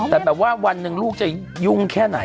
แต่แบบว่าวันหนึ่งลูกจะยุ่งแค่ไหน